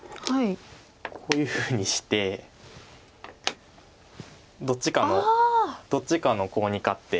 こういうふうにしてどっちかのコウに勝って。